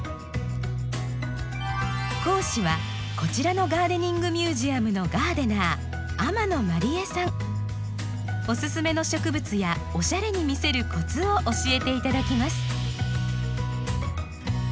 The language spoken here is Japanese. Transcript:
講師はこちらのガーデニングミュージアムのおすすめの植物やおしゃれに見せるコツを教えていただきます。